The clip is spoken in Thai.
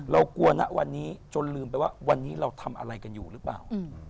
กลัวนะวันนี้จนลืมไปว่าวันนี้เราทำอะไรกันอยู่หรือเปล่า